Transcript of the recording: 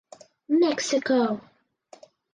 Mexico!